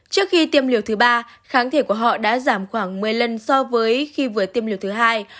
trước khi tiêm liều thứ ba kháng thể của họ đã giảm khoảng một mươi lần so với khi vừa tiêm liều thứ hai